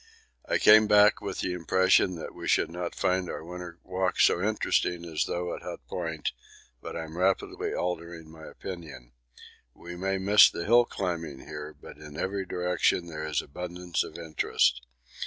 I came back with the impression that we should not find our winter walks so interesting as those at Hut Point, but I'm rapidly altering my opinion; we may miss the hill climbing here, but in every direction there is abundance of interest.